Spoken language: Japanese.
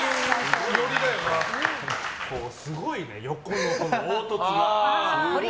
すごいね、横の凹凸が。